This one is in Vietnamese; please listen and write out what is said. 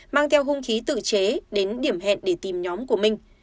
mang theo hung khí tự chế đến điểm hẹn để tìm nhóm của minh